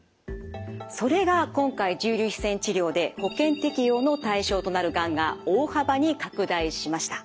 それが今回重粒子線治療で保険適用の対象となるがんが大幅に拡大しました！